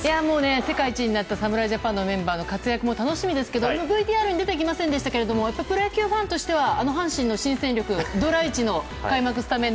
世界一になった侍ジャパンのメンバーの活躍も楽しみですけどＶＴＲには出てきませんでしたがプロ野球ファンとしては阪神の新戦力ドラ１の開幕スタメン